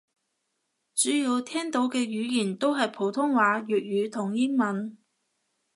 主要聽到嘅語言都係普通話粵語同英文